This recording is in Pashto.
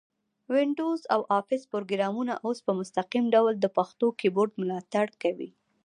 وینډوز او افس پروګرامونه اوس په مستقیم ډول د پښتو کیبورډ ملاتړ کوي.